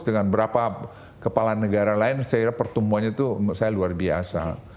dengan berapa kepala negara lain saya kira pertumbuhannya itu saya luar biasa